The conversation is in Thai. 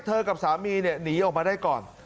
เธอกับสามีหนีออกมาได้ก่อน